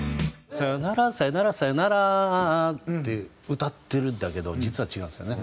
「さよならさよならさよならあああ」って歌ってるんだけど実は違うんですよね。